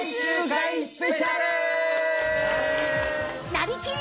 「なりきり！